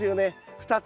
２つ。